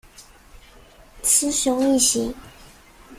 雌雄异型。